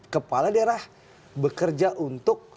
kepala daerah bekerja untuk